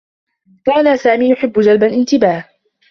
كان سامي يحبّ جلب الانتباه.